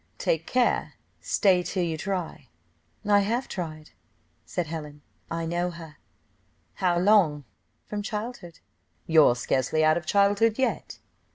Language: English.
"Take care stay till you try." "I have tried," said Helen, "I know her." "How long?" "From childhood!" "You're scarcely out of childhood yet."